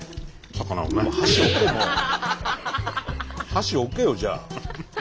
箸置けよじゃあ。